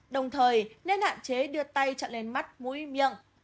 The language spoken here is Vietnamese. đồng thời nên hạn chế đưa tay cho lên mắt mũi miệng